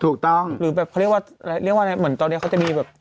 หรือแบบเขาเรียกว่าเรียกว่าอะไรเหมือนตอนนี้เขาจะมีแบบ